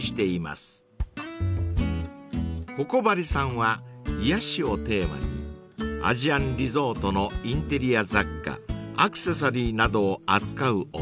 ［Ｃｏｃｏｂａｒｉさんは癒やしをテーマにアジアンリゾートのインテリア雑貨アクセサリーなどを扱うお店］